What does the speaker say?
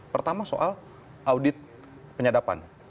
pertama soal audit penyadapan